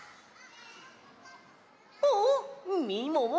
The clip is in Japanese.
あっみもも。